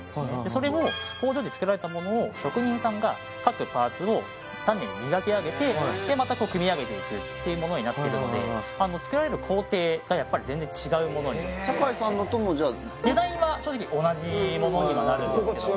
それを工場で作られたものを職人さんが各パーツを丹念に磨き上げてでまたこう組み上げていくっていうものになってるので作られる工程がやっぱり全然違うものに酒井さんのともじゃあデザインは正直同じここが違いますよね